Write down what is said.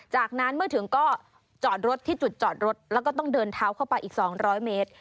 จากนั้นเมื่อถึงก็จอดรถที่จุดจอดรถแล้วก็ต้องเดินเท้าเข้าไปอีก๒๐๐เมตร